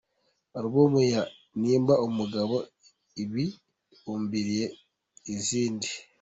Alubumu ye “Nimba Umugabo” ibimburiye izindi